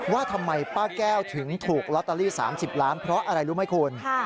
ว่าทำไมป้าแก้วถึงถูกลอตเตอรี่๓๐ล้านเพราะอะไรรู้ไหมคุณ